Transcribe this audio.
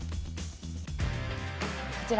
こちら。